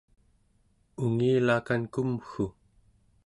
ungilakan kumggu!